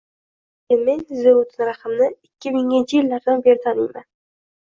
Lekin men Ziyovuddin Rahimni ikki minginchi yillardan beri taniyman.